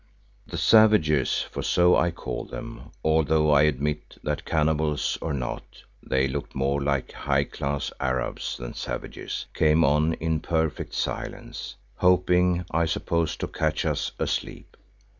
The savages, for so I call them, although I admit that cannibals or not, they looked more like high class Arabs than savages, came on in perfect silence, hoping, I suppose, to catch us asleep.